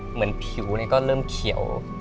เหมือนผิวก็เริ่มเขียว